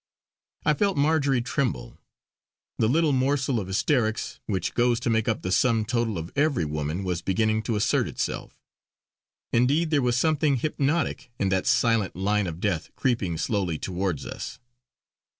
I felt Marjory tremble; the little morsel of hysterics which goes to make up the sum total of every woman was beginning to assert itself. Indeed there was something hypnotic in that silent line of death creeping slowly towards us.